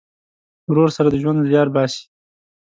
ورور سره د ژوند زیار باسې.